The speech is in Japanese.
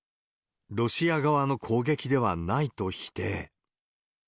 ロシア側の攻撃ではないと否定。